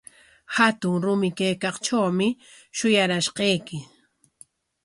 Hatun rumi kaykaqtrawmi shuyarashqayki.